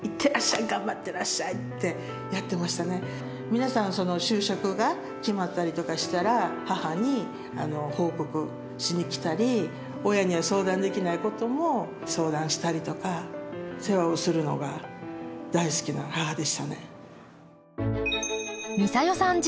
皆さん就職が決まったりとかしたら母に報告しに来たり親には相談できないことも相談したりとか世話をするのが大好きな母でしたね。